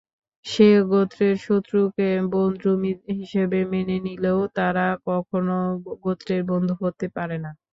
সে গোত্রের শত্রুকে বন্ধু হিসেবে মেনে নিলেও তারা কখনও গোত্রের বন্ধু হতে পারে না।